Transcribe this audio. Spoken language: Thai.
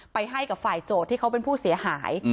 ให้กับฝ่ายโจทย์ที่เขาเป็นผู้เสียหาย